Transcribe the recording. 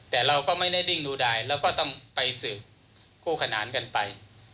แต่เราก็ไม่ได้ดิ้งดูดายเราก็ต้องไปสืบคู่ขนานกันไป